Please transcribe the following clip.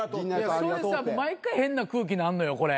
それさ毎回変な空気なんのよこれ。